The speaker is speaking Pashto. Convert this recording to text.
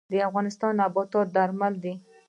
د افغانستان نباتات درمل دي